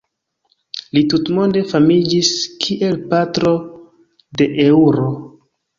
Li tutmonde famiĝis kiel patro de eŭro.